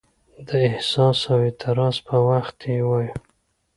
د احساس او اعتراض په وخت یې وایو.